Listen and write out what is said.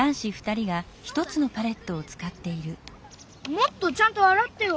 もっとちゃんとあらってよ！